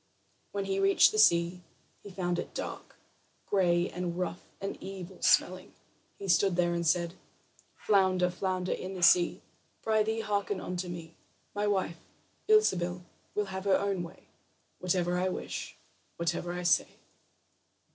When he reached the sea, he found it dark, gray, and rough, and evil smelling. He stood there and said: "Flounder, flounder in the sea, Prythee, hearken unto me: My wife, Ilsebil, will have her own way Whatever I wish, whatever I say."